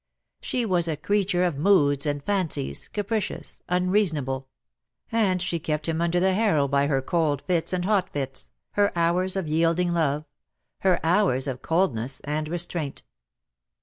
She was a creature of moods and fancies, capricious, un reasonable; and she kept him under the harrow by her cold fits and hot fits, her hours of yielding love, her hours of coldness and restraint.